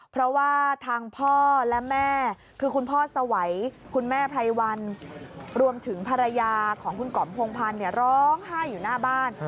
เพราะว่าทางพ่อและแม่คือคุณพ่อสวัยคุณแม่ไพรวันรวมถึงภรรยาของคุณกอมพงพันธ์ร้องไห้อยู่หน้าบ้าน